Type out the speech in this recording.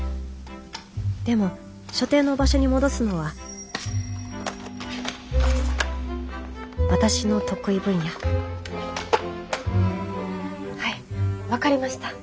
でも所定の場所に戻すのは私の得意分野はい分かりました。